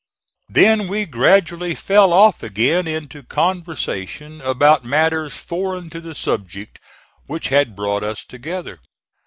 Then we gradually fell off again into conversation about matters foreign to the subject which had brought us together.